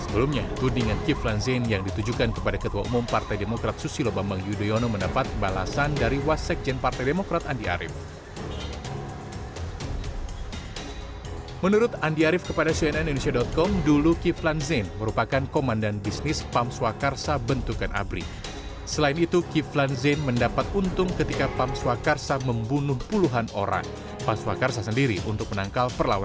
sebelumnya tudingan kiflan zen yang ditujukan kepada ketua umum partai demokrat susilo bambang yudhoyono mendapat balasan dari wassekjen partai demokrat andi arief